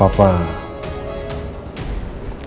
aku tidak bisa mencari elsa